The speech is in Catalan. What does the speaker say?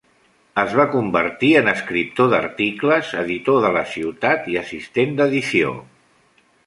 Es va convertir en escriptor d'articles, editor de la ciutat i assistent d'edició.